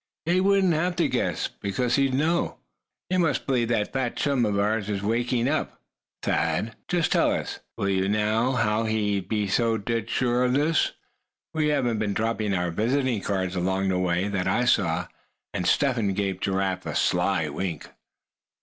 "He wouldn't have to guess, because he'd know!" Thad ventured. "You must believe that fat chum of ours is waking up, Thad? Just tell us, will you now, how he'd be so dead sure of this? We haven't been dropping our visiting cards along the way, that I saw," and Step Hen gave Giraffe a sly wink.